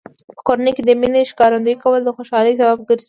په کورنۍ کې د مینې ښکارندوی کول د خوشحالۍ سبب ګرځي.